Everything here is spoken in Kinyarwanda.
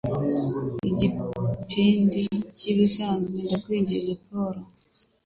Igipindi cyibisanzwe ndakwinginze, Paul